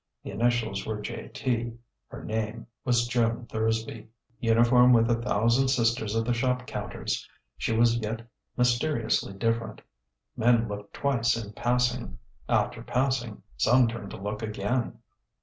The initials were J T: her name was Joan Thursby. Uniform with a thousand sisters of the shop counters, she was yet mysteriously different. Men looked twice in passing; after passing some turned to look again.